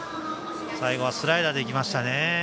最後はスライダーで行きましたね。